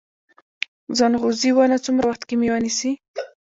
ځنغوزي ونه څومره وخت کې میوه نیسي؟